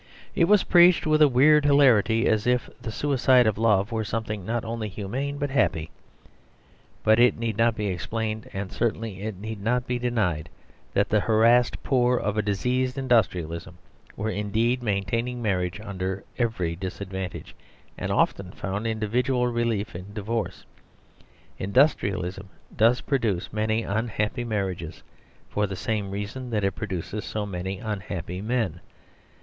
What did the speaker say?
It was preached with a weird hilarity, as if the suicide of love were something not only humane but happy. But it need not be explained, and certainly it need not be denied, that the harassed poor of a diseased industrialism were indeed maintaining marriage under every disadvantage, and often found individual relief in divorce. Industrialism does produce many unhappy marriages, for the same reason that it produces so many unhappy men.